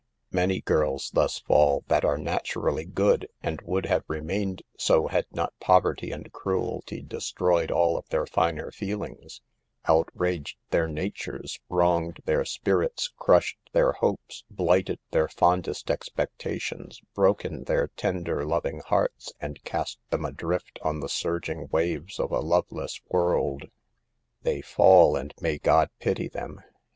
" Many girls thus fall that are naturally good, and would have remained so had not poverty and cruelty destroyed all of their finer feelings, outraged their natures, wronged their 6* 138 SAVE THE GIRLS, spirits, crushed their hopes, blighted their fond est expectations, broken their tender* loving hearts, and cast them adrift on the surging waves of a loveless world. " They fall, and may God pity. them.